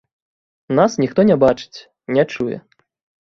Нас ніхто не бачыць, не чуе.